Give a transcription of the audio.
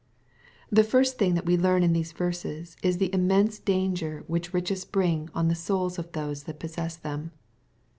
The first thing that we learn in these verses, is the im mense danger which riches bring on the souls of those that possess them.